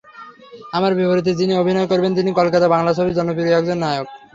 আমার বিপরীতে যিনি অভিনয় করবেন তিনি কলকাতার বাংলা ছবির জনপ্রিয় একজন নায়ক।